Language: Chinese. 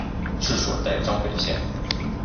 治所在张北县。